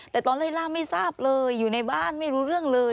แต่ตอนไล่ล่าไม่ทราบเลยอยู่ในบ้านไม่รู้เรื่องเลย